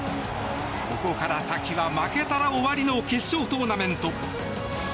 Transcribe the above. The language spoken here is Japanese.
ここから先は、負けたら終わりの決勝トーナメント。